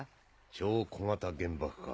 超小型原爆か。